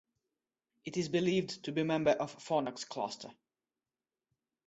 It is believed to be member of Fornax Cluster.